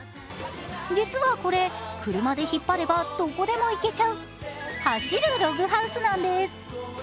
実はこれ、車で引っ張れば、どこでも行けちゃう走るログハウスなんです。